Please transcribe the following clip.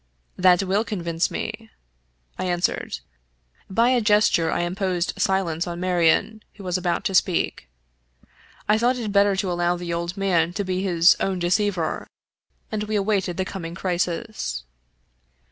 " That will convince me," I answered. By a gesture I imposed silence on Marion, who was about to speak. I thought it better to allow the old man to be his own unde ceiver — ^and we awaited the coming crisis.